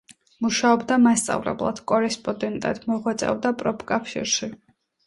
მუშაობდა მასწავლებლად, კორესპონდენტად, მოღვაწეობდა პროფკავშირში.